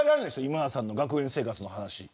今田さんの学園生活。